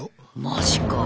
マジか。